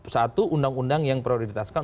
satu undang undang yang prioritaskan